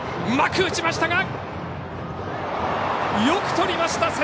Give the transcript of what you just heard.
うまく打ちましたがよくとりました！